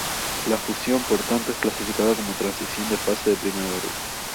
La fusión por tanto es clasificado como transición de fase de primer orden.